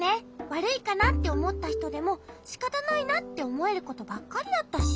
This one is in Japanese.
わるいかなっておもったひとでもしかたないなっておもえることばっかりだったし。